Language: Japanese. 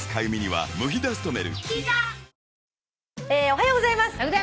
「おはようございます。